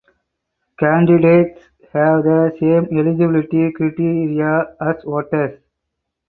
Candidates have the same eligibility criteria as voters.